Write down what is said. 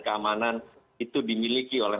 keamanan itu dimiliki oleh